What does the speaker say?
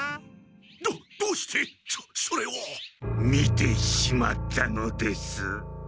どどうしてそそれを！？見てしまったのです。